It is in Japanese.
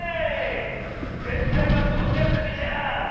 ぜったいばくしょうをとってやるぜスイちゃん！